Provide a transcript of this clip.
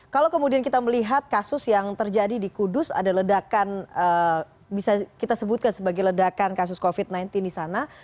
kalau kemudian kita melihat kasus yang terjadi di kudus ada ledakan bisa kita sebutkan sebagai ledakan kasus covid sembilan belas di sana